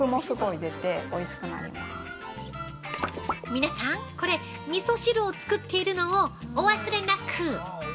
◆皆さん、これ、みそ汁を作っているのをお忘れなく。